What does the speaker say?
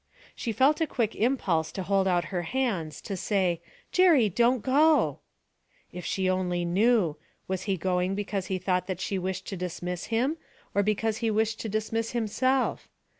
She felt a quick impulse to hold out her hands, to say, 'Jerry, don't go! 'If she only knew! Was he going because he thought that she wished to dismiss him, or because he wished to dismiss himself?